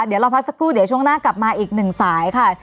เดี๋ยวเราพักสักครู่เดี๋ยวช่วงหน้ากลับมาอีกหนึ่งสายค่ะ